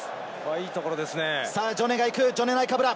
いいところですね。